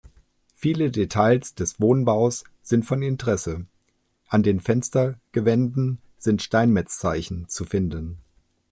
Viele Details des Wohnbaus sind von Interesse: An den Fenstergewänden sind Steinmetzzeichen zu finden.